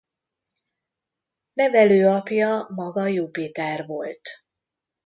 Nevelőapja maga Jupiter volt.